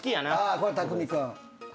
これ匠海君。